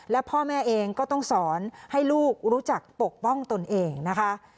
และพ่อแม่เองก็ต้องสอนให้ลูกรู้จักปกป้องตนเองนะคะ